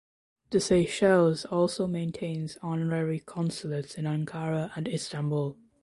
The Seychelles also maintains honorary consulates in Ankara and Istanbul.